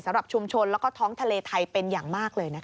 สำหรับชุมชนแล้วก็ท้องทะเลไทยเป็นอย่างมากเลยนะคะ